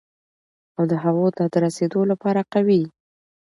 او د هغو ته د رسېدو لپاره قوي،